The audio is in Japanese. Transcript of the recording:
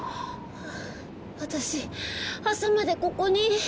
私朝までここに？